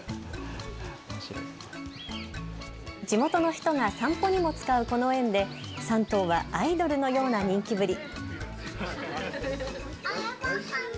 地元の人が散歩にも使うこの園で３頭はアイドルのような人気ぶり。